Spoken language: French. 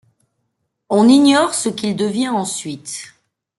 On ignore ce qu'il devient ensuite.